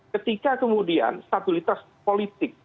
ketika kemudian stabilitas politik